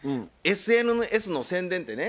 ＳＮＳの宣伝ってね